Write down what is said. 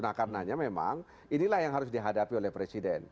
nah karenanya memang inilah yang harus dihadapi oleh presiden